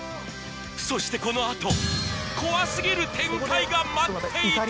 そしてこのあと怖すぎる展開が待っていた！